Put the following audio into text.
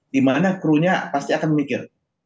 di mana krunya pasti akan memikir